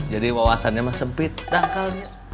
jadi wawasannya mah sempit dangkalnya